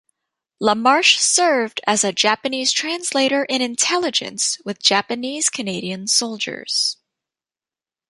LaMarsh served as a Japanese translator in Intelligence with Japanese-Canadian soldiers.